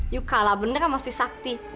you kalah bener sama si sakti